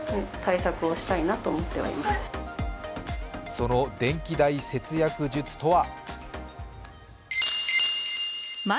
その電気代節約術とは。